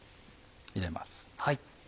入れます。